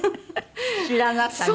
知らなさに。